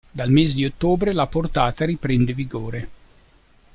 Dal mese di ottobre la portata riprende vigore.